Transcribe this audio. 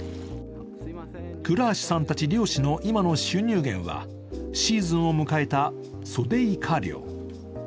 倉橋さんたち漁師の今の収入源は、シーズンを迎えたソデイカ漁。